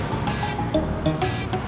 tante ya udah